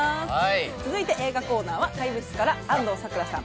続いて、映画コーナーは「怪物」から安藤サクラさん